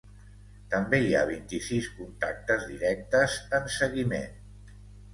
També hi ha vint-i-sis contactes directes en seguiment.